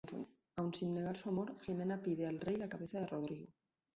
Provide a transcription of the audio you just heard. Aun sin negar su amor, Jimena pide al rey la cabeza de Rodrigo.